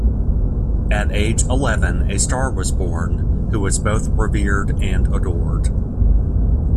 At age eleven, a star was born, who was both revered and adored.